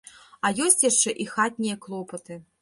А ёсць яшчэ і хатнія клопаты.